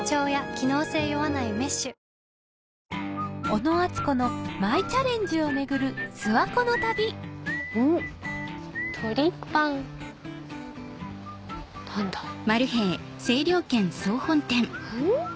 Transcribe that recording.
小野あつこのマイチャレンジを巡る諏訪湖の旅何だろう？